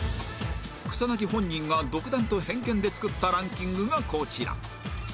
草薙本人が独断と偏見で作ったランキングがこちら